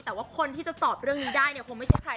แต่ว่าคนที่จะตอบเรื่องนี้ได้เนี่ยคงไม่ใช่ใคร